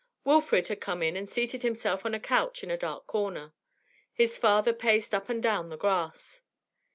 Wilfrid had come in and seated himself on a couch in a dark corner; his father paced up and down the grass.